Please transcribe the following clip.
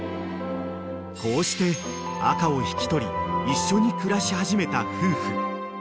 ［こうして赤を引き取り一緒に暮らし始めた夫婦］